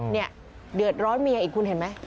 เนี่ยเดือดร้อนเมียอีกคุณเห็นไหม